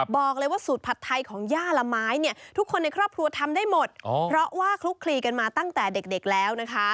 บอกเลยว่าสูตรผัดไทยของย่าละไม้เนี่ยทุกคนในครอบครัวทำได้หมดเพราะว่าคลุกคลีกันมาตั้งแต่เด็กแล้วนะคะ